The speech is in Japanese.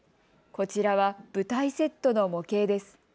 こちらは舞台セットの模型です。